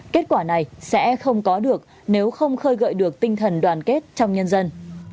kết quả này sẽ không có được nếu không khơi gợi được tinh thần đoàn kết trong nhân dân